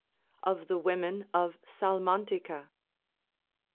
Of the Women of Salmantica.